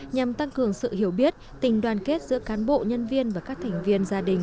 nhằm tăng cường sự hiểu biết tình đoàn kết giữa cán bộ nhân viên và các thành viên gia đình